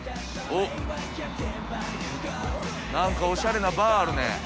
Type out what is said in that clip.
おっ、なんかおしゃれなバーあるね。